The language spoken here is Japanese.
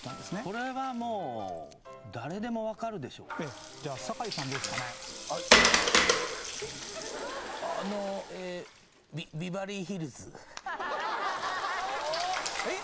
これはもう誰でも分かるでしょうじゃあ坂井さんどうですかねあのええっ？